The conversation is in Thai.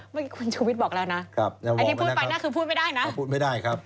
เมื่อกี้คุณชูวิทย์บอกแล้วนะไอ้ที่พูดไปหน้าคือพูดไม่ได้นะ